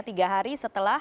tiga hari setelah